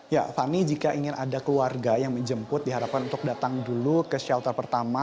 ya fani jika ingin ada keluarga yang menjemput diharapkan untuk datang dulu ke shelter pertama